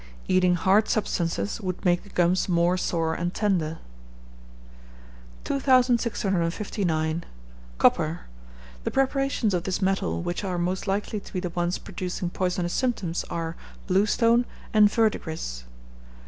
Eating hard substances would make the gums more sore and tender. 2659. Copper. The preparations of this metal which are most likely to be the ones producing poisonous symptoms, are blue stone and verdigris.